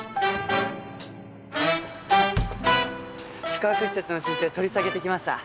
宿泊施設の申請取り下げてきました。